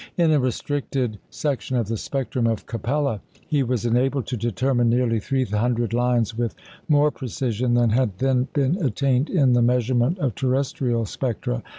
In a restricted section of the spectrum of Capella, he was enabled to determine nearly three hundred lines with more precision than had then been attained in the measurement of terrestrial spectra.